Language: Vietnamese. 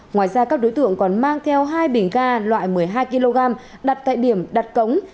ngoài ra các đối tượng còn mang theo hai bình ga loại một mươi hai kg đặt tại điểm đặt cống